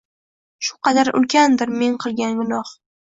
Shu qadar ulkandir men qilgan gunoh –